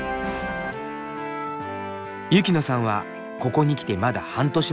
雪乃さんはここに来てまだ半年の新人。